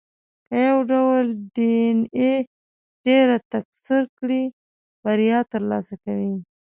که یو ډول ډېایناې ډېره تکثر کړي، بریا ترلاسه کوي.